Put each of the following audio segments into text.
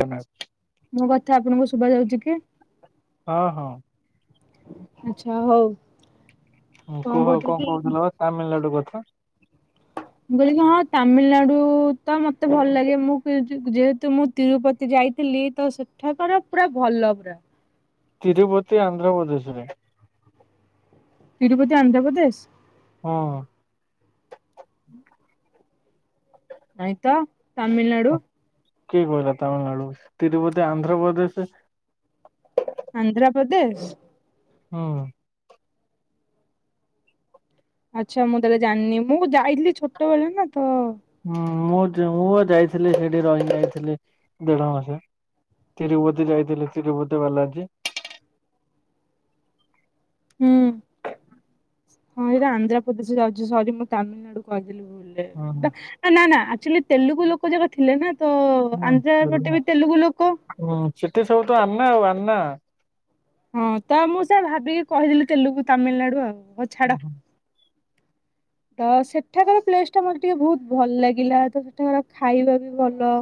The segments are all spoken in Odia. ଜନାବ ମୋ କଥା ଆପଣଙ୍କୁ ସୁବା ଯାଉଚି କି? ହଁ ହଁ ଆଛା ହଉ। ହଁ କୁହ କହୁଥିଲି କଣ କି କହୁଥିଲ ପା ତାମିଲନାଡୁ କଥା? ମୁଁ କହିଲି ହଁ ତାମିଲନାଡୁ ତ ମତେ ଭଲ ଲାଗେ ମୁଁ କି ଯି ଯେହେତୁ ମୁଁ ତିରୁପତି ଯା ଖାଇଥିଲି ତ ସେଠାକାର ପୁରା ଭଲ ପୁରା ତିରୁପତି ଆନ୍ଧ୍ରପ୍ରଦେଶ ରେ ତିରୁପତି ଆନ୍ଧ୍ରପ୍ରଦେଶ ହଁ। ନାଇଁ ତ ତାମିଲନାଡୁ କ- କିଏ କହିଲା ତାମିଲନାଡୁ ତିରୁପତି ଆନ୍ଧ୍ରପ୍ରଦେଶ ପ୍ରଦେଶ୍ ହଁ। ଆଚ୍ଛା ମୁଁ ତାହେଲେ ଜାଣିନି ମୁଁ ଯାଇଥିଲି ଛୋଟବେଳେ ନା ତ ହୁଁ ମୁଁ ଜ ମୁଁ ବା ଯାଇଥିଲି ହେଟି ରହିକି ଆଇଥିଲି ଦେଢ ମାସେ। ତିରୁପତି ଯାଇଥୁଲି ତିରୁପତି ବାର୍ଲାଜି। ହୁଁ ହଁ ଏଇଟା ଆନ୍ଧ୍ରପ୍ରଦେଶ ଯାଉଚି ସରି ମୁଁ ତାମିଲନାଡୁ କହି ଭୁଲ ରେ ହୁଁ ବା ନା ନା ଆଚୁଲି ତେଲୁଗୁ ଲୋକ ଯାକ ଥିଲେ ନା ତୋ ହୁଁ ଆନ୍ଧ୍ରା ପଟେ ବି ତେଲୁଗୁ ଲୋକ ହୁଁ, ସେଠି ସବୁ ତ ଆନା ଆଉ ଆନା ହଁ ତ ମୁଁ ସେୟା ଭାବିକି କହିଦେଲି ତେଲୁଗୁ ତାମିଲନାଡୁ ଆଉ ହଉ ଛାଡ ହୁଁ ତ ସେଠାକାର ପ୍ଲେସ୍ ଟା ମତେ ଟିକେ ବହୁତ ଭଲ ଲାଗିଲା ତ ସେଠାକାର ଖାଇବା ବି ଭଲ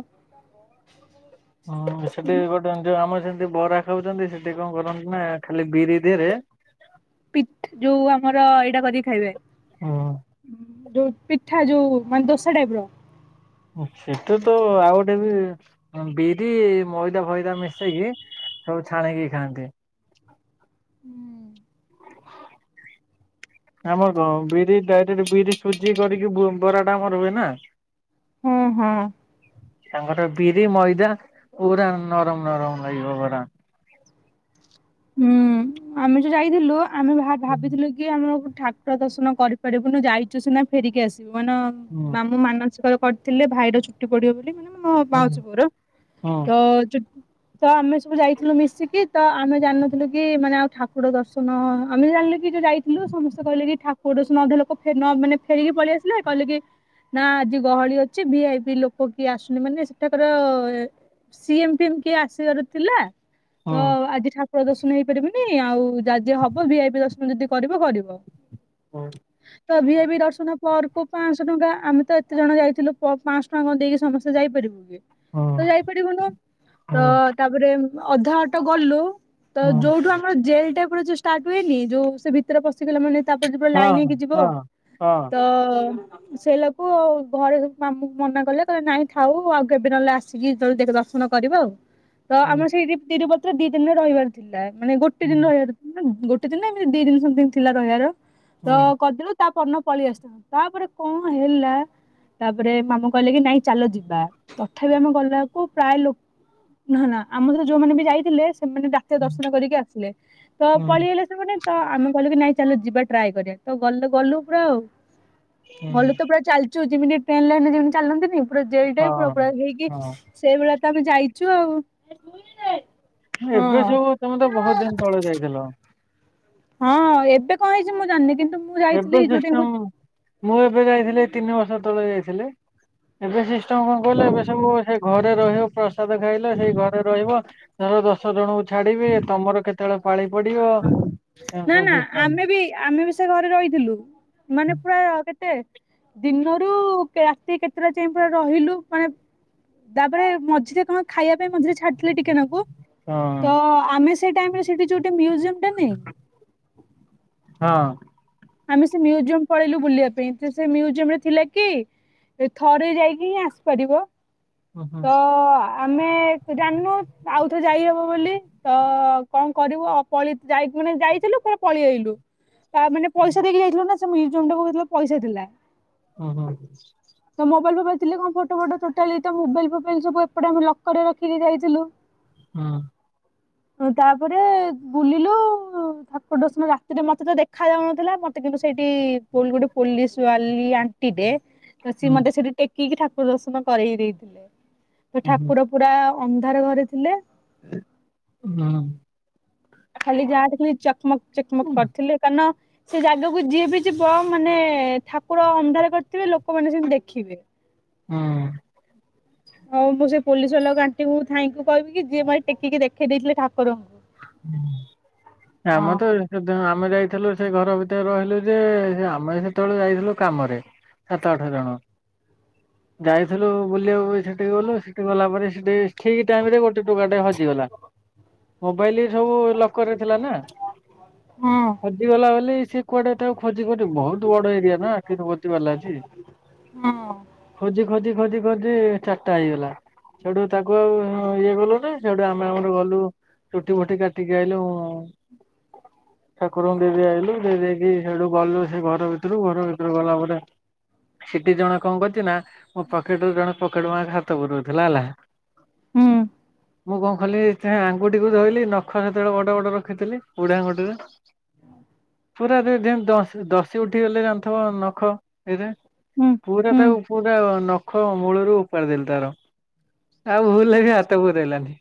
ହୁ ସେଠି ଗୋଟେଏମତି ଯଉ ଆମ ଯେମିତି ବରା ଖାଉଚନ୍ତି ସେଠି କଣ କରନ୍ତି ନା ଖାଲି ବିରି ଦେହେରେ ପିଠ୍ ଯୋଉ ଆମର ଏଇଟା କରିକି ଖାଇବେ ହଁ। ଯୋଉ ପିଠା ଯୋଉ ମାନେ ଦୋସା ଟାଇପ ର ହଁ ସେଟ ତ ଆଉ ଗୋଟେ ବି ବିରି ମଇଦା ଫଇଦା ମିଶେଇକି ସବୁ ଛାଣିକି ଖାଆନ୍ତି। ହୁଁ। [inaudible] ଆମର କଣ ବିରି ଡାଇରେକ୍ଟ ବିରି ସୁଜି କରିକି ବୁ ବରା ଟା ଆମର ହୁଏ ନା ହଁ ହଁ। ତାଙ୍କର ବିରି ମଇଦା ପୁରା ନରମ ନରମ ନାଗିବ ବରା। [inaudible] ହୁଁ, ଆମେ ଯୋ ଯାଇଥିଲୁ ଆମେ ଭା-ଭାବିଥିଲୁ କି ଆମକୁ ଠାକୁର ଦର୍ଶନ କରିପାରିବୁନୁ ଯାଇଚୁ ସିନା ଫେରିକି ଆସିବୁ। ମାନ ହୁଁ ମାମୁଁ ମାନସିକ ର କରିଥିଲେ ଭାଇର ଚୁଟି ପଡିବ ବୋଲି, ମାନେ ମୋ ହୁଁ ମାଉସୀ ପୁଅର, ହଁ ତ ଚୁ ତ ଆମେ ସବୁ ଯାଇଥିଲୁ ମିଶିକି। ତ ଆମେ ଜାଣନଥିଲୁ କି ମାନେ ଆଉ ଠାକୁର ଦର୍ଶନ ଆମେ ଜାଣିଲେ କି ଯେ ଯାଇଥିଲୁ ସମସ୍ତେ କହିଲେ କି ଠାକୁର ଦର୍ଶନ [unintelligible] ଲୋକ ଫେ ନ ମାନେ ଫେରିକି ପଳେଇଆସିଲେ କହିଲେ କି ନା ଆଜି ଗହଳି ଅଛି ଭି ଆଇ ପି ଲୋକ କିଏ ଆସୁନି ମାନେ ସେଠାକାର ଏଁ ସି ଏମେ ଫିଏମ କିଏ ଆସିବାର ଥିଲା ତ ହଁ ଆଜି ଠା ଠାକୁର ଦର୍ଶନ ହେଇପାରିବନି ଆଉ ଯା ଯିଏ ହବ ଭି ଆଇ ପି ଦର୍ଶନ ଯଦି କରିବ କରିବ। ହଁ ତ ଭି ଆଇ ପି ଦର୍ଶନ ପର୍ କୁ ପାଁଶହ ଟଙ୍କା। ଆମେ ତ ଏତେ ଜଣ ଯାଇଥିଲୁ ପ ପାଶହଟୁଆ ଦେଇକି ସମସ୍ତେ ଯାଇପାରିବୁ କି? ହଁ ତ ଯାଇପାରିବୁନୁ ତ ହଁ ତାପରେ ଅଧା ଅଟ ଗଲୁ। ତ ହଁ। ଯୋଉଠୁ ଆମର ଜେଲ ଟାଇପର ଯୋଉ ଷ୍ଟାର୍ଟ ହୁଏନି ଯୋଉ ସେ ଭିତରେ ପଶିଗଲା ମାନେ ତାପରେ ଯିବ ଲାଇନ୍ ହଁ ହେଇକି ଯିବ ହଁ ହଁ ତ ସେଇଲାକୁ ଘରେ ସବୁ ମାମୁଁ ମନା କଲେ କହିଲେ ନାଇଁ ଥାଉ ଆଉ କେବେ ନହେଲେ ଆସିକି ଦର୍ଶ ନ କରିବ ଆଉ। ତ ହୁଁ ଆମର ସେଇଠି ତିରୁପତିରେ ଦି ଦିନରେ ରହିବାର ଥିଲା ମାନେ ଗୋଟେ ହୁଁ ଦିନ ରହିବାର ଥିଲା ନା ଗୋ ଗୋଟେ ଦିନ ଏମିତି ଦିଇ ଦିନ ସମଥିଙ୍ଗ ଥିଲା ରହିବାର ତ ହୁଁ କରିଦେଲୁ ତା ପଦିନ ପଳି ଆସଥାନ୍ତ ତାପରେ କଣ ହେଲା। ତାପରେ ମାମୁଁ କହିଲେ କି ନାଇଁ ଚାଲ ଯିବା ତଥାପି ଆମେ ଗଲାକୁ ପ୍ରାୟ ଲୋ ନା ନା ଆମର ଯୋଉମାନେ ବି ଯାଇଥିଲେ ସେମାନେ ରାତିରେ ଦର୍ଶନ କରିକି ଆସିଲେ ତ ହୁଁ ପଳେଆଇଲେ ମାନେ ତ ଆମେ କହିଲୁ କି ନାଇଁ ଚାଲ ଯିବା ଟ୍ରାଏ କରିବା ତ ଗଲୁ ଗଲୁ ପୁରା ହୁଁ ଭଲ ତ ପୁରା ଚାଲିଚୁ ଯେମିତି ଟ୍ରେନ ଲାଇନ ଯେମିତି ଚାଲନ୍ତିନି। ପୁରା ଜେଲ ଟାଇପ ର ହଁ। ପୁରା ହେଇକି ହଁ ସେଇଭଳିଆ ତ ଆମେ ଯାଇଚୁ ଆଉ। ଏବେ ହଁ। ସବୁ ତମେ ତ ବୋହୁତ ଦିନ ତଳେ ଯାଇଥିଲ। ହଁ ଏବେ କଣ ହେଇଚି ମୁଁ ଜାଣିନି, କିନ୍ତୁ ମୁଁ ଏବେ ଯାଇଥିଲି ଯୋଉଠି ସିଷ୍ଟମ ମୁଁ ଏବେ ଯାଇଥିଲି ତିନି ବର୍ଷ ତଳେ ଯାଇଥିଲି ଏବେ ସିଷ୍ଟମ କଣ କହିଲ ଏବେ ସବୁ ସେଇ ଘ ଘରେ ରହିବ ପ୍ରସାଦ ଖାଇଲ ସେଇ ଘରେ ରହିବ ଆଉ ଦଶ ଜଣଙ୍କୁ ଛାଡିବି ତମର କେତେବେଳେ ପାଳି ପଡିବ ଏମିତି ନା ସବୁ ନା ସିଷ୍ଟମ। ଆମେ ବି ଆମେ ବି ସେ ଘରେ ରହିଥିଲୁ ମାନେ ପୁରା କେ କେତେ ଦିନରୁ ରାତି କେତେଟା ଯାଇଁ ପୁରା ରହିଲୁ ମାନେ ତାପରେ ମଝିରେ କଣ ଖାଇବା ପାଇଁ ମଝିରେ ଛାଡିଥିଲେ ଟିକେ ନାକୁ। ହଁ ତ ଆମେ ସେ ଟାଇମରେ ସେଠି ଯୋଉ ମ୍ୟୁଜିଅମ ଟା ନାଇ ହଁ ଆମେ ସେ ମ୍ୟୁଜିୟମ ପଳେଇଲୁ ବୁଲିବା ପାଇଁ ତ ସେ ମ୍ୟୁଜିୟମ ରେ ଥିଲେ କି ଏ ଥରେ ଯାଇକି ହିଁ ଆସିପାରିବ। ହଁ ହଁ। ତ ଆମେ ଜାଣିନୁ ଆଉଥରେ ଯାଇ ହ ବୋଲି ତ କଣ କରିବୁ ପଳି ଯା ମାନେ ଯାଇଥିଲୁ ପୁଣି ପଳିଆଇଲୁ। ତା ମାନେ ପଇସା ଦେଇକି ଯାଇଥିଲୁ ନା ସେ ମ୍ୟୁଜିୟମ ଟା ହେଇଥିଲା ପଇସା ଥିଲା। ହୁଁ ହୁଁ। ତ ମୋବାଇଲ୍ ଫୋବାଇଲ୍ ଥିଲେ କଣ ଫଟୋ ଫଟୋ ଟୋଟାଲି ମୋବାଇଲ ଫୋବାଇଲ୍ ସବୁ ଏପଟେ ଆମ ଲକରରେ ରଖିକି ଯାଇଥିଲୁ। ହୁଁ। ତାପରେ ବୁଲିଲୁ ଠାକୁର ଦର୍ଶନ ରାତିରେ ମତେ ତ ଦେଖା ଯାଉନ ଥିଲା ମତେ କିନ୍ତୁ ସେଇଠି ଗୋଟେ ପୋଲ ପୋଲିସ ବାଲି ଆଣ୍ଟି ଟେ ତ ସିଏ ହୁଁ ମତେ ସେଠି ଟେକିକି ଠାକୁର ଦର୍ଶନ କରେଇ ଦେଇଥିଲେ ତ ହୁଁ ଠାକୁର ପୁରା ଅନ୍ଧାର ଘରେ ଥିଲେ। ହୁଁ। ଖାଲି ଯାହା ଦେଖି ଚକମକ ଚକମକ ହୁଁ କରିଥିଲେ କାରନ ସେ ଜାଗାକୁ ଯିଏ ବି ଯିବ ମାନେ ଠାକୁର ଅନ୍ଧାର କରିଥିବେ ଲୋକମାନେ ସେମିତି ଦେଖିବେ। ହୁଁ। ଆଉ ମୁଁ ସେ ପୋଲିସ ବାଲାକୁ ଆଣ୍ଟି କୁ ଥ୍ୟାଙ୍କ ୟୁ କହିବି କି ଯିଏ ମଏ ଟେକିକି ଦେଖେଇ ଦେଇଥିଲେ ଠା ହୁଁ ଆ ହଁ ଆମ ତ ଏଇ ସେ ଘର ଭିତରେ ରହିଲୁ ଯେ ଆମେ ସେତେବେଳେ ଯାଇଥିଲୁ କାମରେ। ସାତ ଆଠ ଜଣ। ଯାଇଥିଲୁ ବୁଲିବାକୁ ସେଠି ଗଲୁ ସେଠି ଗଲା ପରେ ସେଠି। ଠିକ ଟାଇମ ରେ ଗୋଟେ ଟୋକା ଟା ହଜିଗଲା ମୋବାଇଲି ସବୁ ଲକର୍ ରେ ଥିଲା ନା ହଁ ହଜିଗଲା ବୋଲି ସେ କୁଆଡେ ତାକୁ ଖୋଜି ଖୋଜି ବହୁତ ବଡ ଏରିଆ ନା ତିରୁପତି ବାଲାଜୀ ହଁ ଖୋଜି ଖୋଜି ଖୋଜି ଖୋଜି ଚାରିଟା ହେଇଗଲା। ସେଠୁ ତାକୁ ଆଉ ଇଏ କଲୁନି ସେଠୁ ଆମେ ଆମର ଗଲୁ। ଚୁଟି ଫୁଟି କାଟିକି ଆଇଲୁ। ଠାକୁରଙ୍କୁ ଦେଇ ଦେଇ ଆଇଲୁ ଦେଇ ଦେଇକି ସେଇଠୁ ଗଲୁ ସେ ଘର ଭିତରୁ ଘର ଭିତରୁ ଗଲା ପରେ। ସେଠି ଜଣେ ଙ୍କ କରିଛି ନା ମୋ ପକେଟ ରୁ ଜଣେ ପକେଟ ମାର ହାତ ପୁରଉ ଥିଲା। ହୁଁ। ମୁଁ କଣ କଲିି ତା ଆଙ୍ଗୁଠିକୁ ଧୋଇଲି ନଖ ସେତେବେଳେ ବଡ ବଡ ରଖିଥିଲି ବୁଢା ଆଙ୍ଗୁଠିରେ ପୁରା ଦଶ ଦସି ଉଠିଗଲେ ଜାଣିଥିବ ନଖ ଏଇଟା ହୁଁ ପୁରା ତାକୁ ହୁଁ ପୁରା ନଖ ମୂଳରୁ ଉପାରି ଦେଲି ତାର। ଆଉ ଭୁଲରେ ବି ହାତ ପୁରେଇଲାନି।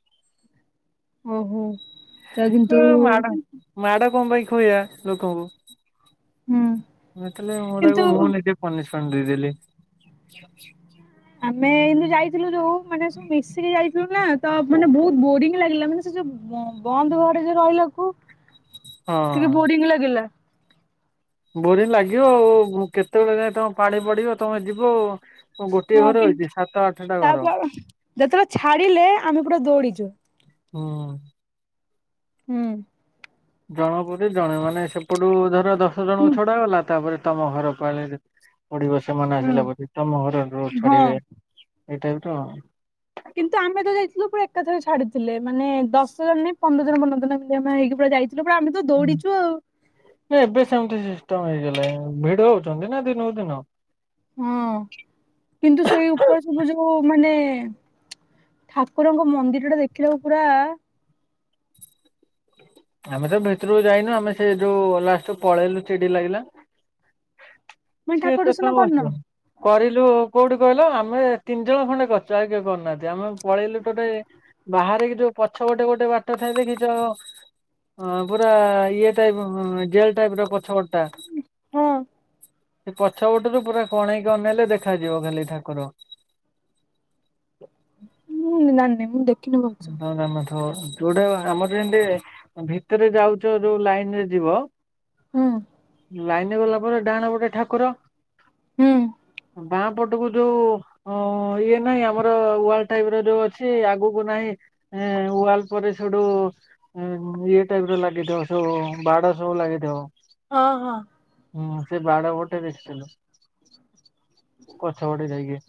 ଓହୋ ତା କିନ୍ତୁ ହଁ ମାଡ ମାଡ଼ କଣ ପାଇଁ ଥୁଇବା ଲୋକଙ୍କୁ ହୁଁ। ମୁଁ ହେଇଥିଲେ କିନ୍ତୁ ମୁଁ ନିଜେ ପନିସ ଫଣ୍ଡି ଦେଇ ଦେଲି ଆମେ ଏମତି ଯାଇଥିଲୁ ଯୋଉ ମାନେ ସବୁ ମିସିିକି ଯାଇଥିଲୁ ନା ତ ମାନେ ବହୁତ ବୋରିଙ୍ଗ ଲାଗିଲା ମାନେ ଯ ବ ବନ୍ଦ ଘରେ ଯ ରହିଲାକୁ ହଁ। ଟିକେ ବୋରିଙ୍ଗ ଲାଗିଲା ବୋରିଂ ଲାଗିବ ଆଉ କେତେବେଳେ ଯାଏ ତମେ ପାଳି ପଡିବ ତମେ ଯିବ ଆଉ କନ ଗୋଟିଏ ହଁ ଘର କିନ୍ତୁ ହେଇଛି ସାତ ଆ ତାପ ଯେତେବେଳେ ଛାଡିଲେ ଆମେ ପୁରା ଦୌଡିଛୁ। ହୁଁ। ହୁଁ। ଜଣକ ପରେ ଜଣେ ମାନେ ସେପଟୁ ଧର ଦଶ ଜଣ ହୁଁ ଛଡା ଗଲା ତାପରେ ତମ ଘର ପାଳି ପଡିବ ସେମାନେ ଆସିଲା ପରେ ତମ ଘର ହଁ। ଛାଡିବେ। ଏଇ ଟାଇପ ର ଆଉ। କିନ୍ତୁ ଆମେ ତ ଯାଇଥିଲୁ ପୁରା ଏକାଥରେ ଛାଡିଥିଲେ ମାନେ ଦଶ ଜଣ ରେ ପନ୍ଦର ଜଣ ପନ୍ଦର ଜଣ [unintelligible] ହେଇକି ଯାଇଥିଲୁ। ଆମେ ତ ଦୌଡିଛୁ ଆଉ। ଉମ ହେଇଗଲେ ଭିଡ ହଉଛନ୍ତି ନା ଦିନକୁ ଦିନ। ହଁ। କିନ୍ତୁ ସେଇ ଉପରେ ସବୁ ଯୋଉ ମାନେ ଠାକୁରଙ୍କ ମନ୍ଦିର ଟା ଦେଖିଲାକୁ ପୁରା ଆମେ ତ ଭିତରକୁ ଯାଇନୁ ଆମେ ସେ ଯୋଉ ଲାଷ୍ଟ ପଳେଇଲୁ ଚିଡି ଲାଗିଲା। ମାନେ କିଏ ଠାକୁର ସେ ଦର୍ଶନ ସବୁ କରିନ? ବସିବ କରିଲୁ କୋଉଠି କହିଲ ଆମେ ତିନି ଜଣ ଖଣ୍ଡେ କରିଛୁ ଆଉକେହି କରିୁନାହାନ୍ତି ଆମେ ପଳେଇଲୁ ଟୋଟେ ବାହାରିକି ଯୋଉ ପଛ ପଛ ପଟେ ଗୋଟେ ବାଟ ଥାଏ ଦେଖିଛ? ହଁ ପୁରା ଇଏ ଟାଇପ ଜେଲ ଟାଇପ ର ପ ପଛ ପଟଟା ହଁ ସେ ପଛ ପଟରୁ ପୁରା କଣେଇକି ଅନେଇଲେ ଦେଖାଯିବ ଖାଲି ଠାକୁର ହୁଁ ଜାଣିନି ମୁଁ ଦେଖ ତମେ ଜାଣି ନଥିବ। ହଁ ଯୋଉଟା ଆମର ଯେମତି ଭିତରେ ଯାଉଛ ଯୋଉ ଲାଇନ ରେ ଯିବ ହୁଁ। ଲାଇନ ଗଲା ପରେ ଡାହାଣ ପଟେ ଠାକୁର। ହୁଁ। ବାଁ ପଟକୁ ଯୋଉ ଅ ଇଏ ନାହିଁ ଆମର ୱାଲ୍ ଟାଇପ ର ଯୋଉ ଅଛି ଆଗକୁ ନାହିଁ ୱାଲ ପରେ ସେଠୁ ଇଏ ଟାଇପ ର ଲାଗିଥିବ ସବୁ ବାଡ ସବୁ ଲାଗିଥିବ। ହଁ ହଁ। ହୁଁ ସେ ବାଡ ପଟେ ଦେଖିଥିଲୁ ପଛ ପଟେ ଯାଇକି।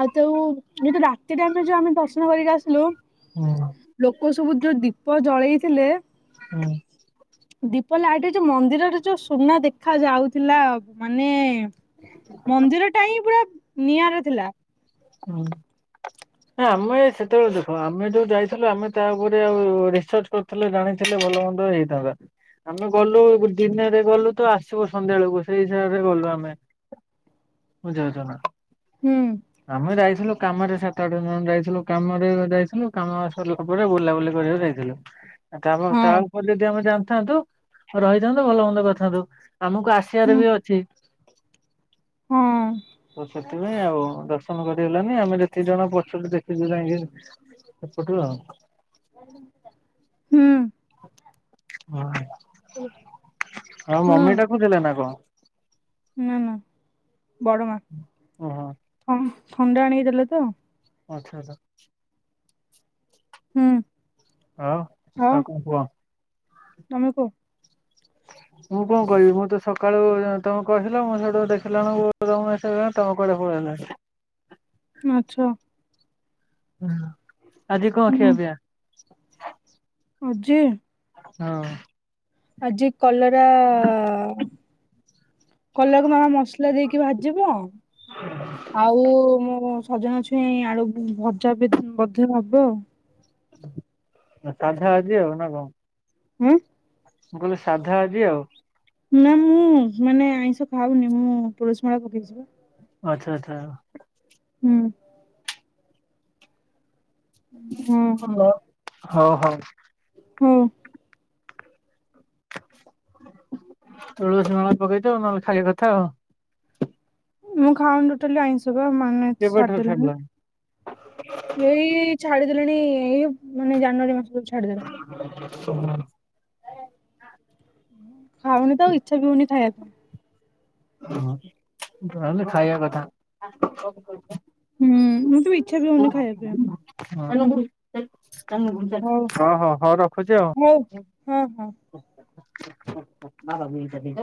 ଆଉ ତଉ ଯେହେତୁ ରାତିରେ ଆମେ ଯୋଉ ଆମେ ଦର୍ଶନ କରିକି ଆସିଲୁ ହୁଁ ଲୋକ ସବୁ ଯୋଉ ଦୀପ ଜଳେଇଥିଲେ ହୁଁ। ଦୀପ ଲାଇଟି ଯୋଉ ମନ୍ଦିରରେ ଯୋଉ ସୁନା ଦେଖା ଯାଉଥିଲା ମାନେ ମନ୍ଦିର ଟା ହିଁ ପୁରା ନିଆରା ଥିଲା। ହଁ। ନା ଆମେ ସେତେବେଳେ ଦେଖ, ଆମେ ଯୋଉ ଯାଇଥିଲୁ ଆମେ ତା ଉପରେ ଆଉ ରିସର୍ଚ କରିଥିଲେ ଜାଣିଥିଲେ ଭଲ ମନ୍ଦ ହେଇଥାନ୍ତା ଆମେ ଗଲୁ ଦିନରେ ଗଲୁ ତ, ଆସିବୁ ସନ୍ଧ୍ୟା ବେଳକୁ, ସେଇ ହିସାବରେ ଗଲୁ ଆମେ। ବୁଝାଉଛ ନା ହୁଁ ଆମେ ଯାଇଥିଲୁ କାମରେ ସାତ ଆଠ ଜଣ ଯାଇଥିଲୁ। କାମରେ ଯାଇଥିଲୁ, କାମ ସରିଲା ପରେ ବୁଲାବୁଲି କରକୁ ଯାଇଥିଲୁ। ତା ହଁ ତା ଉପରେ ଯଦି ଆମେ ଜାଣିଥାନ୍ତୁ, ରହିଥାନ୍ତୁ, ଭଲ ମନ୍ଦ କରିଥାନ୍ତୁ। ଆମକୁ ଆସିବାର ହୁଁ ବି ଅଛି। ହଁ। ତ ସେଥିପାଇଁ ଆଉ ଦର୍ଶନ କରିହେଲାନି, ଆମେ ଯେତିକି ଜଣ ପଛ ଦେଖଛୁ ଯାଇଁକି। [unintelligible] ହୁଁ। ହ, ଆଉ ହୁଁ। ମମି ଡାକୁ ଥିଲେ ନା କଣ? ନା, ନା, ବଡ ମା। ଓହୋ ଥଣ୍ଡା ଆଣିକି ଦେଲେ ତ। ଓ ଆଚ୍ଛା ଆଚ୍ଛା। ହୁଁ। ହଁ, ଆଉ କଣ କୁହ? ତମେ କୁହ। ମୁଁ କଣ କହିବି? ମୁଁ ତ ସକାଳୁ, ତମେ କହିଥିଲ ମୁଁ ସେଇଠୁ ଦେଖିଲାବେଳୁ ତମ ମେସଜ ଆଉ ତମ କୁଆଡ଼େ ପ [unintelligible] ମାଛ। ହୁଁ। ଆଜି କଣ ହୁଁ ଖିଆପିଆ? ଆଜି ହଁ। ଆଜି କଲରା, କଲରାକୁ ମାମା ମସ ମସଲା ଦେଇକି ଭାଜିବ। ଆଉ ମୁଁ ସଜନା ଛୁଇଁ ଆଳୁ ଭଜା ବି ବୋଧେ ହବ। ସାଧା ଆଜି ଆଉ ନା କଣ? ହୁଁ। ମୁଁ କହିଲି ସାଧା ଆଜି ଆଉ। ନା ମୁଁ ମାନେ ଆଇଁଷ ଖାଉନି, ମୁଁ ତୁଳସୀ ମାଳ ପକେଇଛି ପା। ଆଛା ଆଛା। ହୁଁ। ହୁଁ। ହୋଉ ହୋଉ। ହୁଁ। ତୁଳସୀ ମଳା ପକେଇଦ, ନହେଲେ ଖାଇ କଥା ଆଉ। ମୁଁ ଖାଉନି ଟୋଟାଲି ଆଇଁଷ ବା ମାନେ କେବେଠାରୁ ଛାଡ଼ିଦେଲିଣି। ଛାଡିଲାଣି? ଏଇ ଛାଡିଦେଲେଣି, ଏଇ ମାନେ ଜାନୁଆରୀ ମାସରୁ ଛାଡିଦେଲିଣି। [unintelligible] ଖାଉନି ତ, ଇଛା ବି ହଉନି ଖାଇବାକୁ। ହଁ, ଓ ତାହଲେ ଖାଇବା କଥା। ହୁଁ, ମଁତେ ବି ଇଚ୍ଛା ବି ହଉନି ଖାଇବା ପିବା ଆ [unintelligible] ତମେ ଭୂଜିଆ ହଉ ହଁ, ହଁ, ହଁ ରଖୁଛି ଆଉ। ହଉ ହଁ ହଁ। ବାବା କୁ ଏଇଟା ଦେଇଦବା।